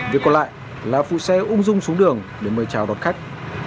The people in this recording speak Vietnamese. việc còn lại là phụ xe ung dung xuống đường để mời chào đón khách